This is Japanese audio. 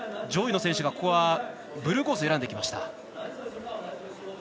上位の選手がここはブルーコースを選んできました。